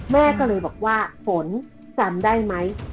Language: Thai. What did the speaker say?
แม่ก็เลยบอกว่าฝนจำได้ไหม